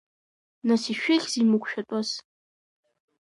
Нас ишәыхьзеи мықәшәатәыс?